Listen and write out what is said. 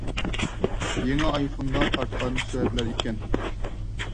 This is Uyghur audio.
يېڭى ئايفوندا تارتقان سۈرەتلەر ئىكەن.